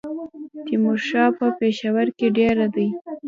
تیمورشاه په پېښور کې دېره دی.